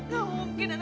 gak mungkin begitu